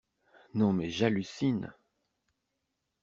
Non mais j'hallucine!